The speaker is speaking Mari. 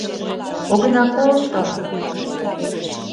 — Огына колто-о!